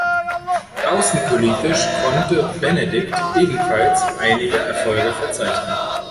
Außenpolitisch konnte Benedikt ebenfalls einige Erfolge verzeichnen.